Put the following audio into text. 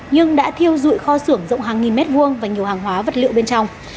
nhưng đã thiêu dụi kho xưởng rộng hàng nghìn mét vuông và nhiều hàng hóa vật liệu bên trong